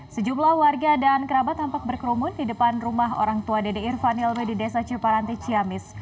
sejumlah warga dan kerabat tampak berkerumun di depan rumah orang tua dede irfan ilmi di desa ciparanti ciamis